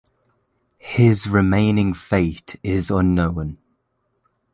His remaining fate is unknown.